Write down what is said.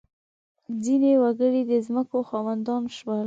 • ځینې وګړي د ځمکو خاوندان شول.